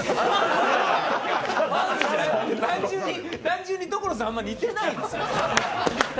単純に、所さん、あまり似てないですね。